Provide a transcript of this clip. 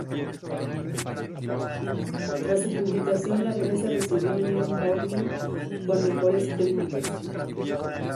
Tras su publicación, la prensa recibió "New Morning" con mejores críticas.